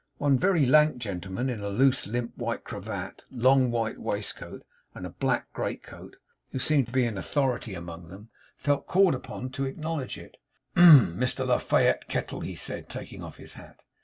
One very lank gentleman, in a loose limp white cravat, long white waistcoat, and a black great coat, who seemed to be in authority among them, felt called upon to acknowledge it. 'Hem! Mr La Fayette Kettle,' he said, taking off his hat.